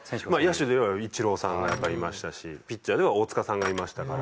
野手ではイチローさんがやっぱいましたしピッチャーでは大塚さんがいましたから。